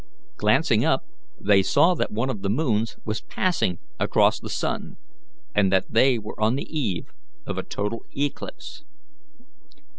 Glancing up, they saw that one of the moons was passing across the sun, and that they were on the eve of a total eclipse.